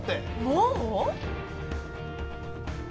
もう！？